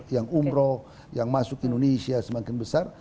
yang umroh yang masuk indonesia semakin besar